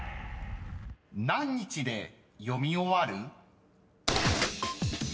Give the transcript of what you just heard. ［何日で読み終わる？］